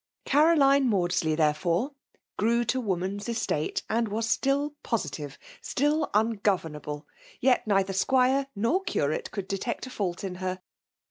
Caroline Maadsley^ therefore, grew to wo man s estate^ and was still positive, still ungo venu^ble; jet neither squire nor curate could detect a &uU in her.